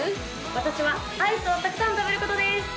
私はアイスをたくさん食べることです！